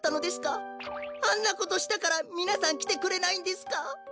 あんなことしたからみなさんきてくれないんですか？